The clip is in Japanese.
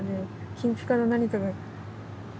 金ぴかの何かが。